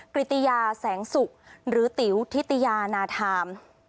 กริตยาแสงสุกหรือติ๋วทิติยานาธาม